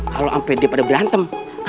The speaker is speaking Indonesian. kalau ampedia pada berantem